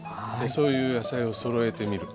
そういう野菜をそろえてみる。